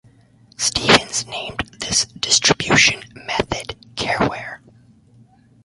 Stevens named this distribution method careware.